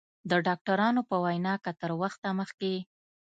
د ډاکترانو په وینا که تر وخته مخکې